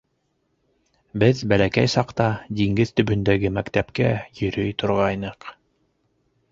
—Беҙ бәләкәй саҡта диңгеҙ төбөндәге мәктәпкә йөрөй торғайныҡ.